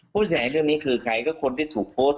ผู้เสียหายเรื่องนี้คือใครก็คนที่ถูกโพสต์